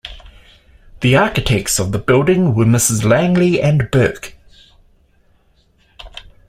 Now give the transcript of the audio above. The architects of the building were Messrs. Langley and Burke.